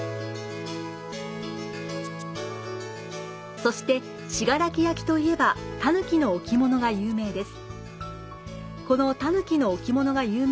そして信楽焼といえば、狸の置物が有名です。